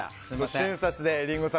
瞬殺でした、リンゴさん